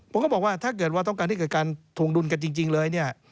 ผมก็บอกว่าถ้าเกิดว่าต้องการให้เกิดการทวงดุลกันจริงเลยเนี่ย